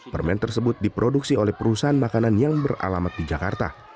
permen tersebut diproduksi oleh perusahaan makanan yang beralamat di jakarta